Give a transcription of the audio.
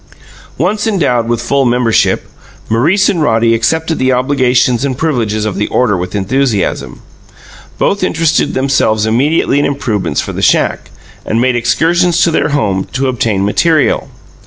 Once endowed with full membership, Maurice and Roddy accepted the obligations and privileges of the order with enthusiasm. Both interested themselves immediately in improvements for the shack, and made excursions to their homes to obtain materials.